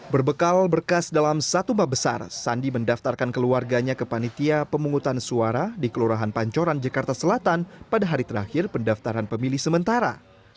berbekal berkas dalam satu mabesar sandi mendaftarkan keluarganya ke panitia pemungutan suara di kelurahan pancoran jakarta selatan pada hari terakhir pendaftaran pemilih sementara